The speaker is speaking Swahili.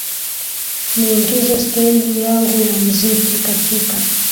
niingize steili yangu ya mziki katika